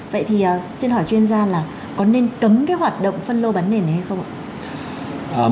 vậy thì xin hỏi chuyên gia là có nên cấm cái hoạt động phân lô bán nền này hay không ạ